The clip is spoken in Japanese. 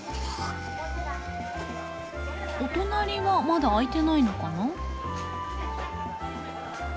お隣はまだ開いてないのかな。